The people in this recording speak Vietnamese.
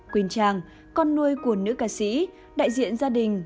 quỳnh trang con nuôi của nữ ca sĩ đại diện gia đình